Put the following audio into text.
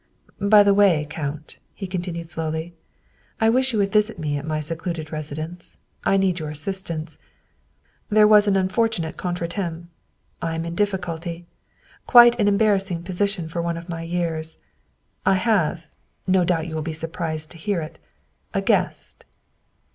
" By the way, Count," he continued slowly, " I wish you would visit me at my secluded residence. I need your assistance. There was an unfortunate contre temps. I am in difficulty quite an embarrassing posi tion for one of my years. I have (no doubt you will be surprised to hear it) a guest."